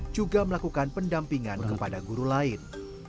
juga melakukan pendampingan kepada guru lain